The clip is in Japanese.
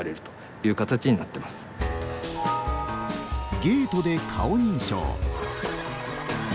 ゲートで顔認証。